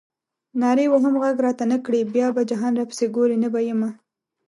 نارې وهم غږ راته نه کړې بیا به جهان راپسې ګورې نه به یمه.